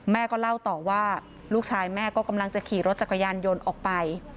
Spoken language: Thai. ก็เล่าต่อว่าลูกชายแม่ก็กำลังจะขี่รถจักรยานยนต์ออกไป